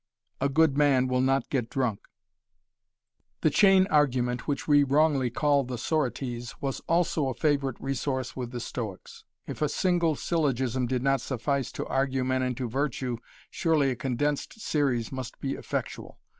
A good man will not get drunk. The chain argument which we wrongly call the Sorites was also a favorite resource with the Stoics. If a single syllogism did not suffice to argue men into virtue surely a condensed series must be effectual.